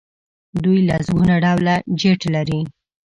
دوی لسګونه ډوله جیټ لري.